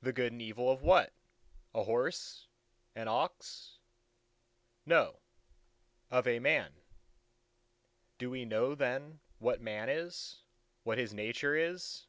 "The good and evil of what? a horse, an ox?" "No; of a man." "Do we know then what Man is? what his nature is?